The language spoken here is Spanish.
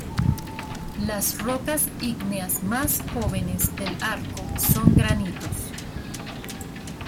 Las rocas ígneas más jóvenes del arco son granitos.